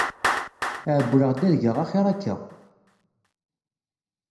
Ɛewleɣ-d ad geɣ axiṛ akka.